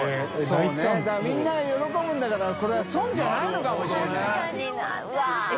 世みんなが喜ぶんだからこれは損じゃないのかもしれない覆襪曚匹諭